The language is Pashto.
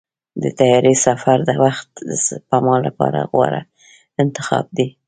د طیارې سفر د وخت د سپما لپاره غوره انتخاب دی.